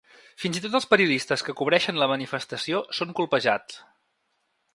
Fins i tot els periodistes que cobreixen la manifestació són colpejats.